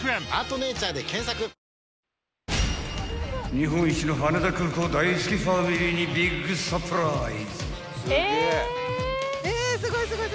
［日本一の羽田空港大好きファミリーにビッグサプライズ］